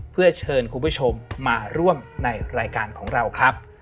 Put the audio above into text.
เพื่อเชิญคุณผู้ชมมาร่วมในรายการของเราครับ